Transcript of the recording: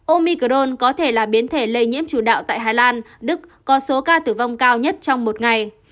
omicrone có thể là biến thể lây nhiễm chủ đạo tại hà lan đức có số ca tử vong cao nhất trong một ngày